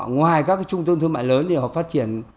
ngoài các trung tâm thương mại lớn thì họ phát triển